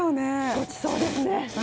ごちそうですね。